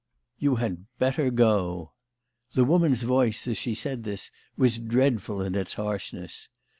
" You had better go." The woman's voice as she said this was dreadful in its harshness.